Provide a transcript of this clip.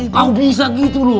kau bisa gitu loh